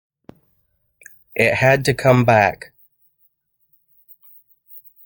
It had to come back.